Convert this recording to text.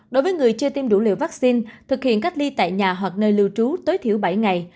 đối với người chưa tiêm đủ liều vaccine thực hiện cách ly tại nhà hoặc nơi lưu trú tối thiểu bảy ngày